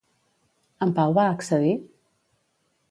En Pau va accedir?